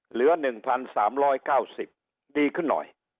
เหลือ๑๓๙๐ดีขึ้นหน่อย